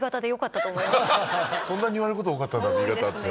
そんなに言われること多かったんだＢ型って。